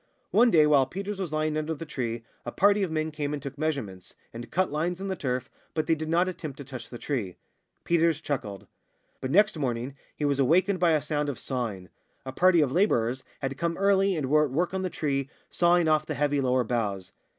One day, while Peters was lying under the tree, a party of men came and took measurements, and cut lines in the turf, but they did not attempt to touch the tree. Peters chuckled. But next morning he was awakened by a sound of sawing. A party of labourers had come early, and were at work on the tree, sawing off the heavy lower boughs.